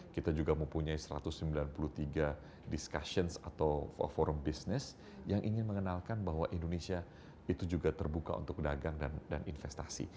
kita juga mempunyai satu ratus sembilan puluh tiga discussions atau forum business yang ingin mengenalkan bahwa indonesia itu juga terbuka untuk dagang dan investasi